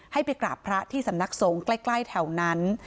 ให้ไปกราบพระที่สำนักสงฆ์ใกล้แถวนั้น